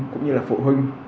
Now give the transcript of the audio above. cũng như là phụ huynh